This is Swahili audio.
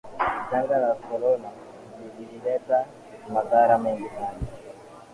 Janga la Corona lilileta madhara mengi sana.